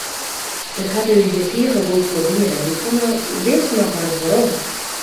It hat ús hjir tige goed foldien en wy komme wis noch ris werom.